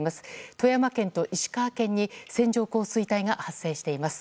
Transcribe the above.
富山県と石川県に線状降水帯が発生しています。